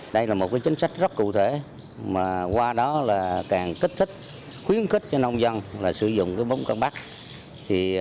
đây là một chính sách rất cụ thể mà qua đó càng kích thích khuyến khích cho nông dân sử dụng bóng compact